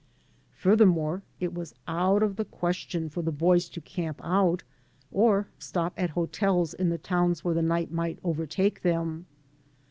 Furthermore, it was out of the question for the boys to camp out or stop at hotels in the towns where the night might overtake them.